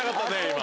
今。